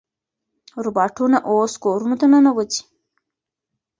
روباټونه اوس کورونو ته ننوځي.